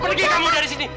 pergi kamu dari sini